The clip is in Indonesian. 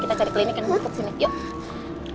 kita cari klinik yang masuk sini yuk